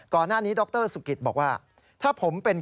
ค่ะ